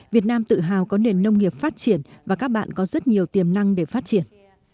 việt nam tự hào có nền nông nghiệp phát triển và các bạn có rất nhiều tiềm năng để phát triển